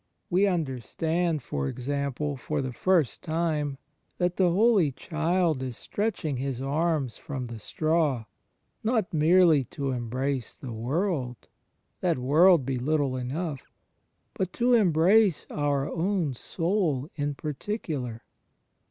We imderstand, for example, for the first time that thevHoly Child is stretch ing His arms from the straw, not merely to embrace the world — that would be little enough !— but to embrace our own soul in particular.